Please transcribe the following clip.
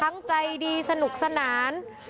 ทั้งใจดีสนุกสนาน